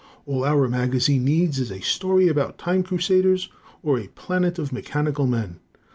All our magazine needs is a story about time crusaders, or a planet of mechanical men.